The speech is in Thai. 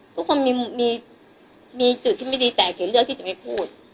ทุกคนมีจุดที่ไม่ดีแต่เก๋เลือกที่จะไม่พูด